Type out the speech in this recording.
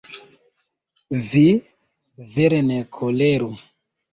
Vi, vere, ne koleru.